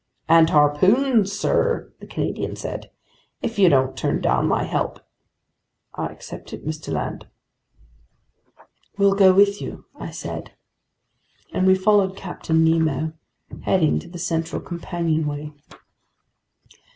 "And harpoons, sir," the Canadian said, "if you don't turn down my help." "I accept it, Mr. Land." "We'll go with you," I said. And we followed Captain Nemo, heading to the central companionway.